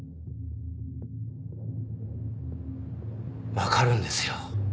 分かるんですよ